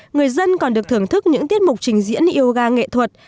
người dân còn được thưởng thức những tiết mục trình diễn yoga nghệ thuật